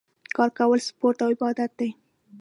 کار کول سپورټ او عبادت دی